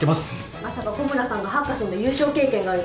まさか小村さんがハッカソンで優勝経験があるとはね。